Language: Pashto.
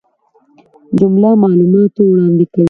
جمله معلومات وړاندي کوي.